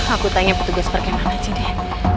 aku tanya petugas pake mana aja deh